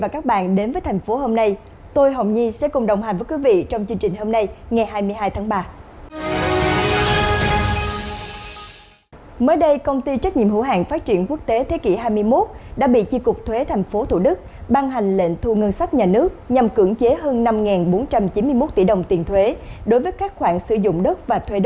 các bạn hãy đăng ký kênh để ủng hộ kênh của chúng mình nhé